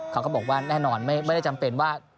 เขาก็บอกว่าแน่นอนไม่ได้จำเป็นว่า